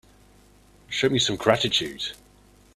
Show me some gratitude.